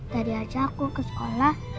tadi ajak aku ke sekolah